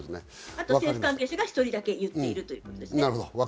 あと政府関係者が１人だけ行っているということです。